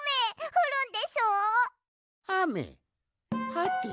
はて？